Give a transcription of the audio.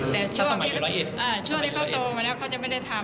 ในเวลาที่เขาโบราณเขาจะไม่ได้ทำ